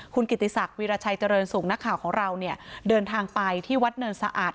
คุณกิติศักดิราชัยเจริญสุขนักข่าวของเราเนี่ยเดินทางไปที่วัดเนินสะอาด